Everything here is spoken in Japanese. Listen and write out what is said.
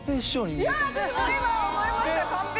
私も思いました！